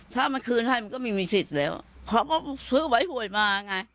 ถ้ามันคืนให้มันก็ไม่มีสิทธิ์แล้วเขาก็ซื้อไว้หวยมาไง